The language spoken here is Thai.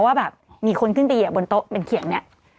ว่าแบบมีคนขึ้นไปเหยียบบนโต๊ะเป็นเขียงเนี่ย